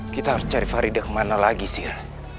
kita harus cari faridah kemana lagi sir